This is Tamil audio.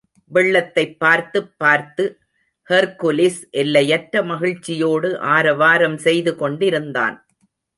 வெள்ளத்தைப் பார்த்துப் பார்த்து, ஹெர்க்குலிஸ் எல்லையற்ற மகிழ்ச்சியோடு ஆரவாரம் செய்துகொண்டிருந்தான்.